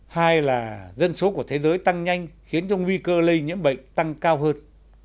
hai là dân số của thế giới tăng nhanh khiến cho nguy cơ lây nhiễm bệnh tăng cao hơn